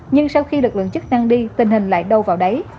nhưng sau khi lực lượng chức năng đi tình hình lại đâu vào đấy